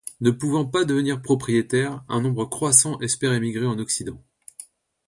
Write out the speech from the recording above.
Ne pouvant pas devenir propriétaires, un nombre croissant espère émigrer en Occident.